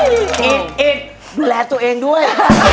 อิทธิ์อิทธิ์แหละตัวเองด้วย